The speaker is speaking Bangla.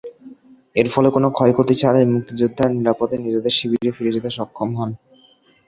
এর ফলে কোনো ক্ষয়ক্ষতি ছাড়াই মুক্তিযোদ্ধারা নিরাপদে নিজেদের শিবিরে ফিরে যেতে সক্ষম হন।